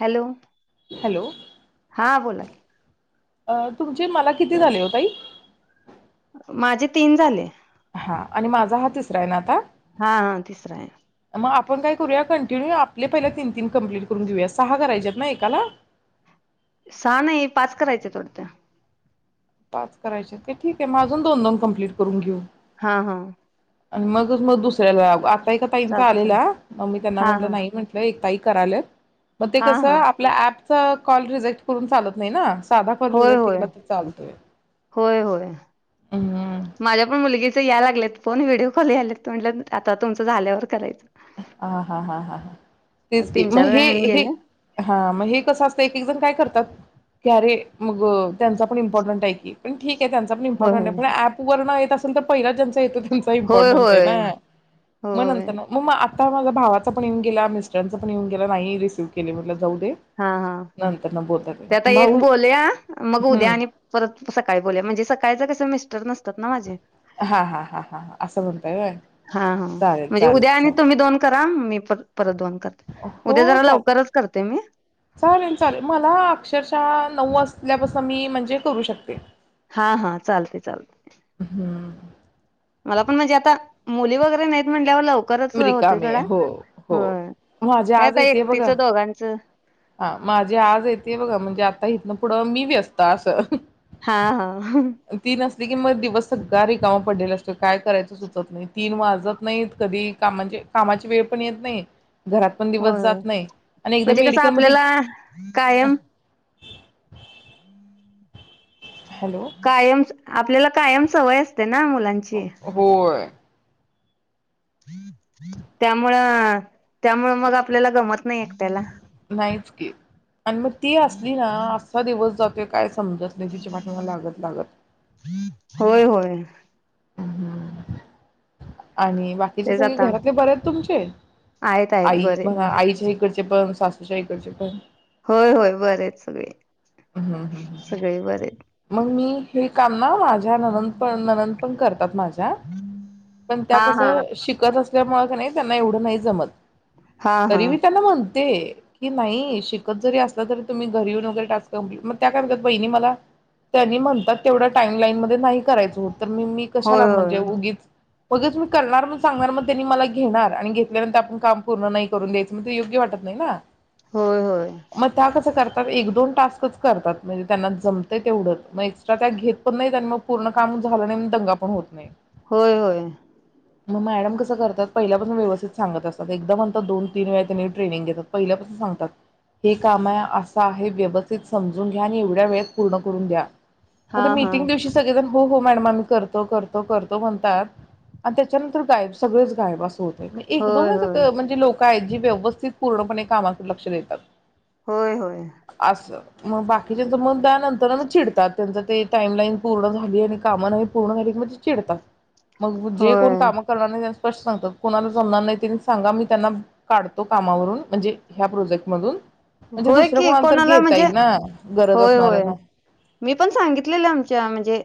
Hello, hello हां बोला. की अं, तुमचे मला किती झाले ओ ताई? माझे तीन झाले. हां, आणि माझा हा तिसरा आहे ना आता. हां-हां तिसरा आय. मग आपण काय करूया कंटिन्यू आपले पहिले तीन-तीन कंप्लीट करून घेऊया. सहा करायच्यात ना एकाला. सहा नाही पाच करायचेत वाटतं. पाच करायचेत काय ठीके म अजून दोन-दोन कम्प्लीट करून घेऊ. हां-हां आण् मगच मग दुसऱ्याला [unintelligible] ताईक ताईंचा चालते चालेल आलेला, म मी त्यांना हा म्हटलं हा नाही म्हटलं एक ताई करालेत. म ते हा कसं हा आपल्या ऍप चं कॉल रिजेक्ट करून चालत नाई ना. साधा कॉल रिजेक्ट केला तर चालतोय. होय-होय, हम्म. माझ्या पण मुलगीचं या लागलेत. फोन व्हिडिओ कॉल यालेत म्हटलं आता तुमचं झाल्यावर करायचं. आ हा हा ह ह तेच की तीन मग चार हे वेळाने हे गेले हा मग हे कसं असतं एक एक जण काय करतात [unintelligible] मग अ त्यांचा पण इम्पॉर्टनट आहे की पण ठीक त्यांचा पण होय इमपॉरटंट आहे होय पण अॅप वरण [unintelligible] पहिला [unintelligible] त्यांच होय इम्पॉरटंट एना होय मग होय नंतरण मग [inaudible] आता माझा भावाचा पण येऊन गेल्या मिस्टरांचा पण येऊन गेला नाही रिसिव्ह केले म्हटल हा हा येईल त्या आता एक भाऊ बोलल्या मग उद्या हम्म आणि परत सकाळी बोल्या म्हणजे सकाळचं कसं मिस [inaudible] नसतात ना माझे हा हा हा हा असं म्हणताय व्हाय चालेल चालेल चाल रा मी पर परतन दोन करत उद्या हो जरा चालेल लवकरच करते मी चालेल चालेल मला अक्षरशः नऊ असल्यापासून हा हा चालते चाल हम्म मला पण म्हणजे आता मुली वगैरे नाहीेत म्हटल्यावर लो अमरिका मे हो हो माझ्या काय आज आता येतेय बघा एकटीचं दोघांचं हा माझ्या आज येतेय बघा म्हणजे आता इथं पुढं मी व्यस्त आसल हा हा की मग दिवस सगळा रिकामा पडलेला असतो काय करायचं सुचत नाही तीन वाजत नाहीत कधी का म्हणजे कामाची वेळ पण येत नाही घरात पण दिवस होय जात नाही आणि एकदा म्हणजे कसं मेडिकलमध्ये आपल्याला कायम हॅलो कायम आपल्याला कायम सवय असते ना मुलांची होय त्यामुळं त्यामुळ मग आपल्याला गमत नाही एकट्याला नाहीच की आणि मग ती असली ना असा दिवस जात ज काय समजत नाही तिच्या पाठीमाग लागत लागत. होय होय आणि बाकीचे तेच सगळे आता घरातले बरेच तुमचे आहेत आहेत आई बरे म्हणा आईच्या इकड पण सासूच्या इकडचे पण होय होय बरे आहेत सगळे. हम्म हम्म हम्म. सगळे बरे हाईत. मग मी हे काम ना माझ्या ननंद पण, ननंद पण करतात माझ्या पण त्या हा कस हा शिकत नसल्यामुळे का नाही त्यांना एवढं नाही जमत. हा हा तरी मी त्यांना म्हणते कि नाही शिकत जरी असलं तरी तुम्ही घरी येऊन वगैरे टास्क कंप्लीट मग त्या काय म्हणत्यात वहिणी मला त्यांनी म्हणतात तेवढा टाईम लाईन मध्ये नाही करायचं होत. तर मी मी होय कशाला होय म्हणजे उगीच मगच मी करणार मग सांगणार मग त्यांनी मला घेणार आणि घेतल्यानंतर आपण काम पूर्ण नाही करून द्यायचं मग ते योग्य वाटत नाही ना. होय होय मग कसं त्या करतात एक, दोन टास्कच करतात म्हणजे त्यांना जमते. तेवढचं मग एक्स्ट्रा त्या घेत पण नाहीत आणि मग पूर्ण काम झालं नाही म्हणून दंगा पण होत नाही. होय होय मग मॅडम कसं करतात पहिल्यापासून व्यवस्थित सांगत असतात. एकदा म्हणता दोन, तीन वेळा त्यांनी ट्रेनिंग देतात. पहिल्यापासून सांगतात हे काम आहे असं आहे व्यवस्थित समजून घ्या आणि एवढ्या वेळत पूर्ण क करून द्या. हा फक्त हा मीटिंग दिवशी सगळे जण हो हो मॅडम आम्ही करतो, करतो, करतो म्हणतात आणि त्याच्यानंतर गायब सगळेच गायब असं होत. एक, होय दोनच होय गं म्हणजे लोक काय जी व्यवस्थित पूर्णपणे कामाच लक्ष देतात. होय होय असं मग बाकीच्याचं मन त्यानंतर तर ना चिडतात त्यांच ते टाईम लाईन पूर्ण झाली आणि काम नाही पूर्ण झाली की म ची चिडतात मग जे कोण होय काम करणार नाही त्यास्नी स्पष्ट सांगतात कोणाला जमणार नाही तेनी सांगा मी त्यांना काढतो कामावरून म्हणजे ह्या प्रोजेक्ट मधून म्हणजे होय दुसऱ्या की कोणाला तर घेता म्हणजे येईल ना गरज होय होय असणाऱ्यांना मी पण सांगितलेलं आमच्या म्हणजे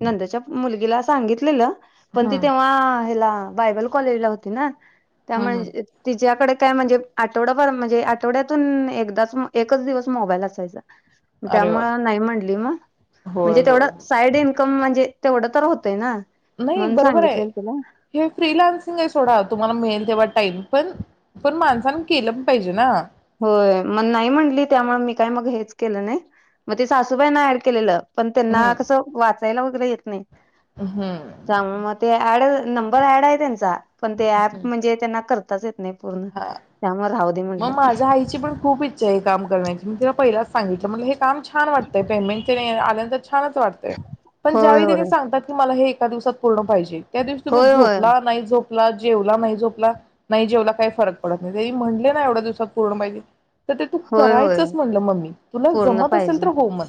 नंदच्या मुलगीला सांगितलेलं. पण ती हम्म तेव्हा हेला बायबल कॉलेज ला होती ना. हम्म हम्म त्यामुळे तिच्याकड काय म्हणजे आठवडाभर म्हणजे आठवड्यातून एकदाच म एकच दिवस मोबाईल असायचा. अरे त्यामुळ बाप नाही म्हणली म होय म्हणजे तेवढ होय साईड इन्कम म्हणजे तेवढं तर होतंय ना. नाही म्हणून बरोबर आहे सांगितलेलं तिला हे फ्रीलान्सिंग आहे सोडा तुम्हाला मिळेल ते वाट टाईम पण, पण माणसन केलं पण पाहिजे ना. होय मन् नाही म्हटली त्यामुळ मी काय मग हेच केलं नाही मग ते सासूबाईना ऍड केलेलं. पण हम्म त्यांना कसं वाचायला येत नाही हम्म त्यामुळे मग ते ऍड नंबर ऍड आहे त्यांचा पण ते ॲप म्हणजे त्यांना कर [unintelligible] येत नाही पूर्ण त्यामुळे राहू दे म्हणले माझा आईची पण खूप इच्छा आहे काम करण्याची मी तिला पहिलाच सांगितलं म्हणले हे बघ काम छान वाटतं पेमेंट तेण [unintelligible] छानच वाटतय पण होय ज्यावेळी त्यांनी होय सांगतात की मला हे त्या दिवसात पूर्ण पाहिजे त्या दिवशी तुम्ही होय होय झोपला नाही झोप जेवला नाही झोपला नाही जेवला काही फरक पडत नाही तेही म्हणले एवढ्या दिवसात पूर्ण पाहिजे तर ते तू होय होय करायचंच म्हणलं मम्मी तुला पूर्ण जमत असेल पाहिजे तर हो म्हण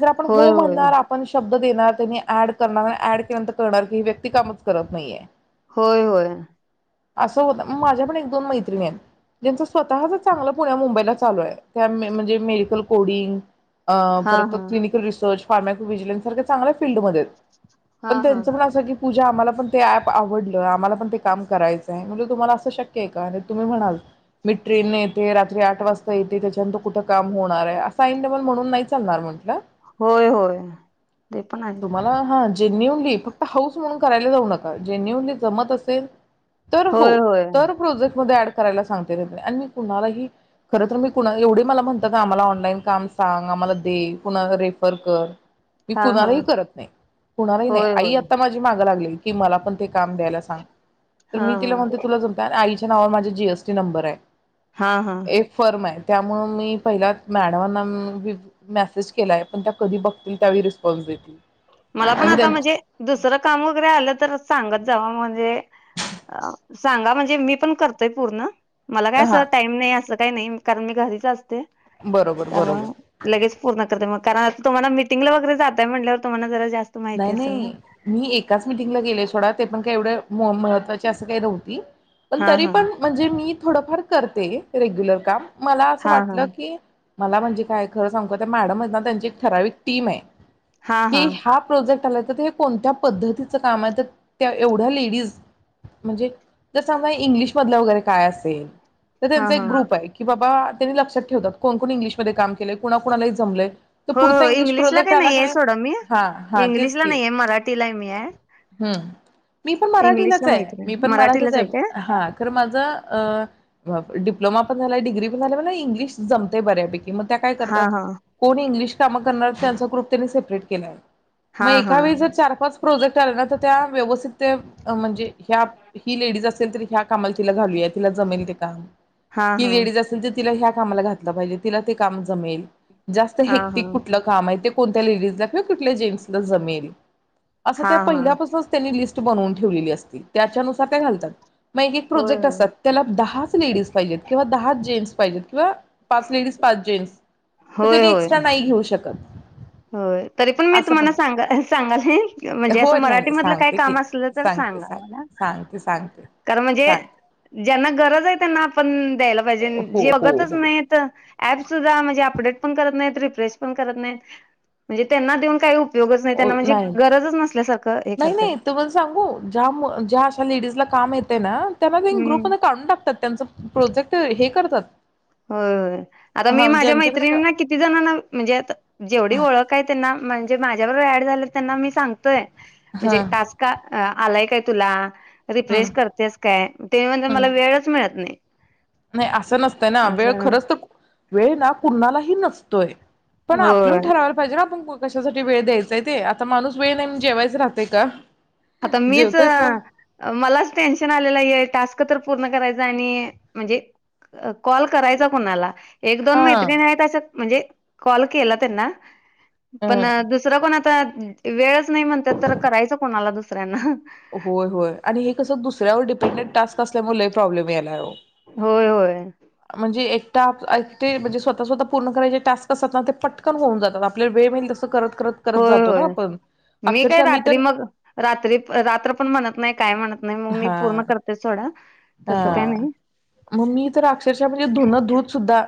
जर आपण हो होय होय म्हणणार आपण शब् देणार त्यांनी ऍड कळणार हाय ऍड केल्यानंतर कळणार की ही व्यक्ती ती कामच करत नाहीये होय होय असं होतय माझ्या पण एक दोन मैत्रिणी आहेत ज्यांचं स्वतःच चांगलं पुण्या मुंबईला चालू आहे त्या म्हणजे मेडिकल कोडिंग अ हा परत हा क्लिनिकल रिसर्च फार्म्हजिलन्सारख चांगल्या फीलल्डमध्ये पण हा हा त्यांचं पण असं की पूजा आम्हाला पण ते ऍप आवडलं आम्हाला पण ते काम करायचं आहे म्हणजे तुम्हाला असं शक्य आहे का? तुम्ही म्हणाल मी ट्रेन येते रात्री आठ वाजता येते त्याच्यानंतर कुठं काम होणार आहे असं ऐन टईमाला म्हणून नाही चालणार म्हटलं होय होय ते पण आहे तुम्हाला हा जेन्युनली फक्त हाऊस म्हणून करायला जाऊ नका जेन्युनली जमत असेल तर हो होय होय तर प्रोजेक्टमध्ये अँड कराला सांग मी कुणाला ही खर तर मी एवढे मला म्हणत का आम्हाला ऑनलाईन काम सांग आम्हाला दे कुणाला रेफर कर मी हा हा कुणालाही करत नाही कुणालाही नाही होय आई होय आता माझी माग लागलेली कि मला पण ते काम द्यायला सांग, तर हा मी तीला हा म्हणते तुला जमते अन आईशी च्या नावावर माझ जीएस चे नंबर आहे हा हा ए फर्म आहे. त्यामुळ मी पहिला मॅडमांना मेसेज केलाय, पण त्या कधी बघतील त्यावेळी रिस्पॉन्स देती मला पण आता म्हणजे दुसरं काम वगैरे आलं तर सांगत जावा म्हणजे सांगा म्हणजे मी पण करतोय पूर्ण. मला काय हा असं टाईम नाही असं काही नाही कारण मी घरीच असते. बरोबर बरोबर त्यामुळ लगेच पूर्ण करते मग कारण आता तुम्हाला मिटिंगला वैगरे जातय म्हणटल्यावर तुम्हांना जरा जास नाही नाही मी एकाच मिटिंगला गेले सोडा ते पण काय एवढं महत्त्वाची असं काही नव्हती पण हा तरी हा पण म्हणजे मी थोडंफार करते रेग्युलर काम मला असं हा हा वाटलं की मला म्हणजे काय खरं सांगू काय त्या मॅडम आहेत ना तर त्यांची एक ठराविक टीम आहे. हा हा. तर का नई तर कोणत्या पद्धतीच काम आहे? तर त्या एवढ्या लेडीज म्हणजे जर समजा इंग्लिश मधल वगैरे काय असेल. तर हा त्यांचा एक हा ग्रुप आहे कि बाबा बा त्यांनी लक्षात ठेवतात कोण कोण इंग्लिशमध्येध्ये काम केले कुणा कोणाला हे जमलय हो हो इंग्लिशला का नाहीये सोडा मी हा हा तेच इंग्लिशला की नाहीये मराठीला हे मी हाय. हम्म मी पण मराठीलाच आहे मी नाही पण मराठीच मराठीलाच काय आहे हा खर माझं अ वापरे डीप्लोमा पण झाला डिग्री प झालं मता ई इंग्लिश जमतय बऱ्यापैकी मग त्या काय हा करतात हा कोण इंग्लिश काम करणार त्यांचा ग्रुप त्यांनी सेपरेट केलाय. हा मग हा एका वेळी जर चार पाच प्रोजेक्ट आले ना तर त्या व्यवस्थित ते म्हणजे ह्या ही लेडीज असेल, तर ह्या कामाला तिला घालूया तिला जमेल ते काम हा ती हा लेडीज असेल तर तिला ह्या कामाला घातलं पाहिजेल, तिला ते काम जमेल. जास्त हा हेक्टिक कुठलं काम आहे ते कोणत्या लेडीज ला किंवा कुठल्या जेंट्स ला जमेल असं हा त्या हा पहिल्यापासूनच त्यांनी लिस बनवून ठेवलेली असतील त्याच्यानुसार त्या घालतात. मग एक एक होय प्रोजेक्ट होय असतात त्याला दहाच लेडीज पाहिजेत किंवा दहाच जेंट्स पाहिजेत किंवा पाच लेडीज, पाच जेंट्स तर होय तेनी होय एक्स्ट्रा नाही घेऊ शकत. होय तरी पण मी तुम्हाला सां सांग सांगली. म्हणजे हो असं नाही मराठी नाही मधलं काय सांगते की काम असलं तर सांगते सांगा सांग मला. सांगते सांगते कारण म्हणजे सांगते ज्यांना गरज आहे त्यांना आपण दयायला जन हो जे हो बघत हो चं नाहीत अँप सुद्धा मनजे अँप अपडेट पण करत नाहीत. रिफ्रेश पण करत नाहीत. म्हणजे त्यांना देऊन काय उपयोग ओ हे करतात नाही-नाही-नाही तुम्हांला सांगू ज्या-मु-ज्या अशा लेडीजला काम येत ते ना त्यांना तींक ग्रुप हम्म काढून टाकतात त्यांच प्रोजेक्ट हे करतात होय-होय. आता हा मी म्हणजे माझ्या यांच्याकडे का मैत्रिनींना किती जणांना म्हणजे आता जेवढी ओळख आहे त्यांना मन जे माझ्या बरोबर ऍड झालेत त्यांना मी सांगतोय हा म्हणजे टास्का अ आलाय काय तुला? ह रिफ्रेश करतेस काय? ते म्हजे मला वेळच मिळत नाइ. नाही असं नसं ना वेळ खरच त वेळ ना कुणालाही नसतोय. पण होय आपलुन ठररावायला पाहिजे ना आपण कशासाठी वेळ द्यायचाय ते, आता माणूस वेळ नाही म जेवायचं राहतंय का? आता मीच, जेवतेच ना मलाच टेन्शन आलेलंये टास्क तर पु पूर्ण करायचा आणि म्हणजे कॉल करायचा कुणाला? एक दोन मैत्रिणी हा आहेत असात म्हणजे कॉल केला त्यांना पण अ, दुसरं कोण आता वेळच नाही म्हणत्यात तर करायचं कोणाला दु ऱ्या ना होय, होय आणि हे कसं दुसऱ्यावर डिपेंडेंट टास्क असल्यामुळ लई प्रॉब्लेम यायलाय हो. होय होय. ते म्हणजे स्वतः स्वतः पूर्ण करायचे टास्क असतात ना ते पटकन होऊन जातात आपल्याला वेळ मिळेल तस. होय होय मी काय अक्षरशः रात्री तर मग रात्री प रा रात्र पण म्हणत नाय. काय म्हणत नाही मग मी पूर्ण करतेच थोडं. ह मा मी तर अक्षरशः म्हणजे धुन धुत सुद्धा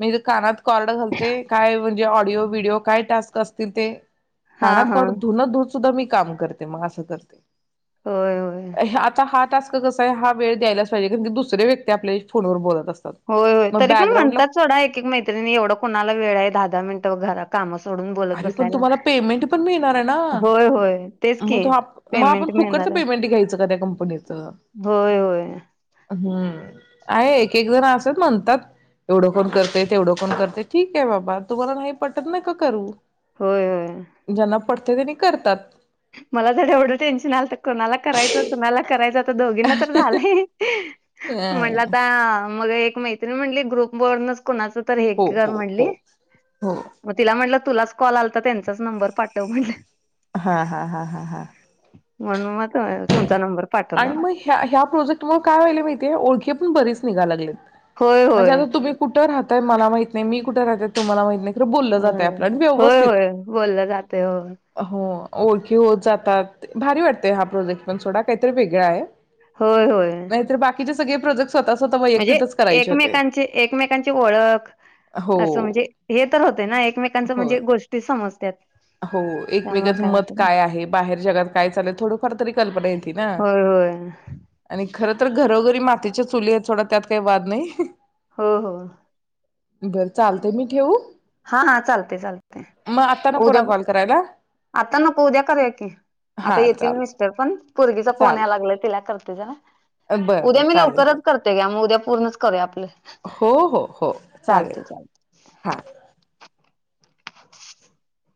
मी तर कानात कॉर्ड घालते काय. म्हणजे ऑडिओ व्हडिओ काय टास्क असतील ते. हा कानात हा कॉड धुन धुत सुद्धा मी काम करते मग असं करते. होय होय! आता हा टास्क कसाय हा. वेळ द्यालाच पायजे कारण दुसरे व्यक्ती आपल्याशी फोनवर बोलत असते. होय होयतरी पण म्हणतात, सोडा एक एक मैत्रिणी, एवढं कुणाला वेळ आहे दहा दहा मिनटं घरात. काम अस. अरे पण तुम्हाला पेमेंट पण मिळणारे ना होय होय तेच म की मग आपण पेमेंट फुकच मिळणार आहे पेमेंट घ्यायचं का त्या कंपनीच होय होय हूं आहे एक एक जण आस म्हणतात एवढं कोण करतय तेवढं कोण करतय ठीके बाबा तुम्हाला नाही पटत नाका करू. होय होय! पडते त्याने करतात. मला त एवढं टेन्शन आलं त कोणाला करायचं कुणाला करायचं. दोघींना तर झालंय. म्हणलं अ आता. मग एक मैत्रीण म्हनली ग्रुप वरूनच. कोणाच तर हे हो कर हो म्हनली हो हो म तिला म्हनल. तुलाच कॉल आलाता त्यांचाच नंबर पाठव म्हनलं. हा हा हा हा हा! म्हणुन म थोया तुम. आणि मग ह्या ह्या प्रोजेक्ट मुळ काय व्हालय माहितीेय ओळखी पण बरीच. निघा लागले. होय म्हणजे होय आता तुम्ही कुठं राहताय मला माहित. मी कुठ राहते तुम्हाला माहित नाही तर बोललं होय जातय आपल न होय व्यवस्थित होय बोललं जातय हो हो ओळखी होत जात. भारी वाटतय हा प्रोजेक्ट पण सोडाक. काहीतरी वेगळं आहे. होय होय नाहीतर बाकीचे सगळे प्रोजेक्ट स्वतः स्वतः म्हणजे वैयक्तिकच करायचे होते एकमेकांची एकमेकांची ओळख हो असं म्हणजे हे तर होते ना एकमेकांच हो म्हणजे गोष्टी समजत त्यात हो एकमेकच मत काय आहे, बाहेर जगात काय चालेल थोडफार तरी कल्पना य ते ना होय होय आणि खर तर घरोघरी मातीच्या चुली आहेत थोडा त्यात काही वाद नाही. हो हो बरं चालते, मी ठेवू? हा हा चालते चालते मग आता नको ना उद्या कॉल करायला आता नको उद्या करूया की आता हा येतील चालत मिस्टर पण पोरगीचा फोन या चालत लागलंय तिला कर तुझ्या बरं बरं उद्या मी चालेल चालेल लवकरच करते घ्या मग उद्या पूर्णच करुया आप हो हो हो चालेल चालते हा [unintelligible]